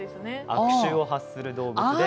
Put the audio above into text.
悪臭を発する動物で。